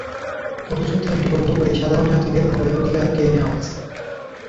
অথচ ট্রেনটি বন্ধ করে সাধারণ যাত্রীদের নাগরিক অধিকার কেড়ে নেওয়া হয়েছে।